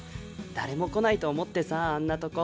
誰も来ないと思ってさんなとこ。